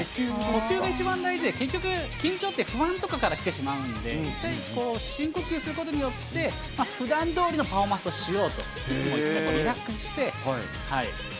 それが一番大事、結局、緊張って、不安とかから来てしまうんで、深呼吸することによって、ふだんどおりのパフォーマンスをしようと、いつもリラックスして。